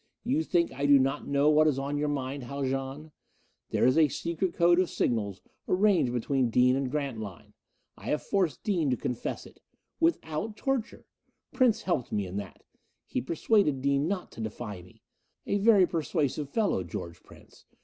You think I do not know what is on your mind, Haljan? There is a secret code of signals arranged between Dean and Grantline. I have forced Dean to confess it. Without torture! Prince helped me in that. He persuaded Dean not to defy me. A very persuasive fellow, George Prince.